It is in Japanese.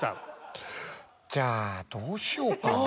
じゃあどうしようかな。